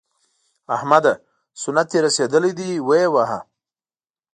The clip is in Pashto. احمده! سنت دې رسېدلي دي؛ ویې وهه.